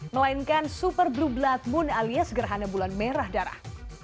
melainkan super blue blood moon alias gerhana bulan merah darah